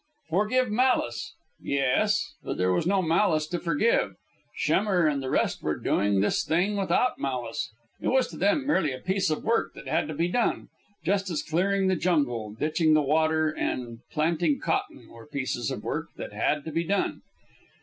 "Forgive malice" yes, but there was no malice to forgive. Schemmer and the rest were doing this thing without malice. It was to them merely a piece of work that had to be done, just as clearing the jungle, ditching the water, and planting cotton were pieces of work that had to be done.